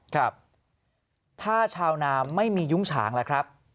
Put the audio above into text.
ครับถ้าชาวนาไม่มียุ้งฉางล่ะครับ